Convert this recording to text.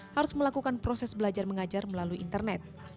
harus melakukan proses belajar mengajar melalui internet